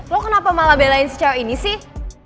lo kenapa malah belain si cewek ini sih